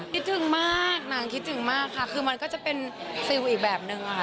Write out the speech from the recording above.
คิดถึงมากนางคิดถึงมากค่ะคือมันก็จะเป็นซิลอีกแบบนึงค่ะ